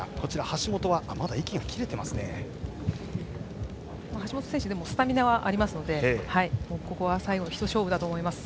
橋本選手スタミナはありますのでここは最後の一勝負だと思います。